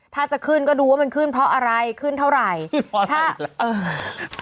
ถ้าจะขึ้นก็ดูว่ามันขึ้นเพราะอะไรขึ้นเท่าไหร่